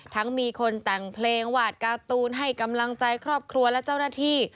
มีคนแต่งเพลงหวาดการ์ตูนให้กำลังใจครอบครัวและเจ้าหน้าที่